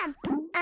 あ。